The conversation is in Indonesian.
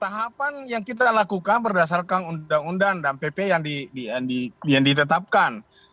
tahapan yang kita lakukan berdasarkan undang undang dan pp yang ditetapkan